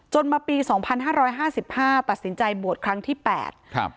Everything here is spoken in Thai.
มาปีสองพันห้าร้อยห้าสิบห้าตัดสินใจบวชครั้งที่แปดครับ